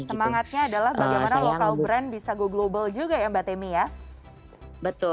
semangatnya adalah bagaimana local brand bisa go global juga ya mbak temy ya